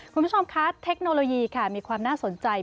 คุณผู้ชมคะเทคโนโลยีค่ะมีความน่าสนใจ